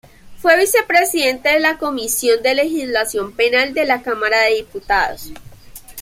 Fue vicepresidente de la Comisión de Legislación Penal de la Cámara de Diputados.